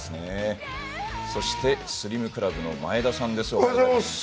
そしてスリムクラブの真栄田さんです。